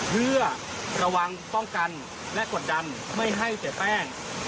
เพื่อระวังป้องกันและกดดันไม่ให้เสียแป้ง